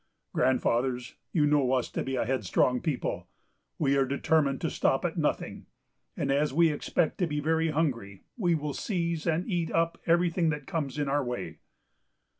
Grandfathers, you know us to be a headstrong people. We are determined to stop at nothing; and as we expect to be very hungry, we will seize and eat up every thing that comes in our way.